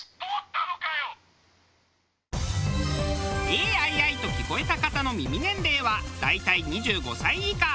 「エーアイアイ」と聞こえた方の耳年齢は大体２５歳以下。